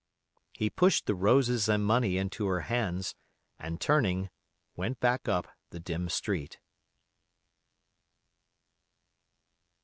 He pushed the roses and money into her hands, and turning, went back up the dim street.